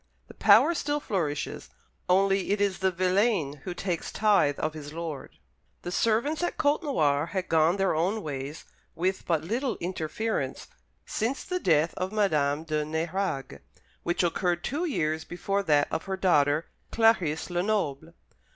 The power still flourishes, only it is the villein who takes tithe of his lord. The servants at Côtenoir had gone their own ways with but little interference since the death of Madame de Nérague, which occurred two years before that of her daughter, Clarice Lenoble.